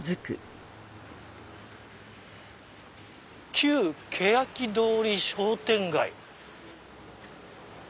「旧けやき橋通り商店街」。